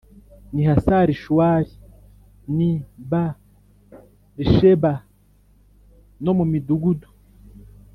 n i Hasarishuwali n i B risheba no mu midugudu